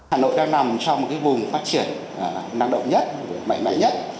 hà nội đang nằm trong một vùng phát triển năng động nhất mạnh mẽ nhất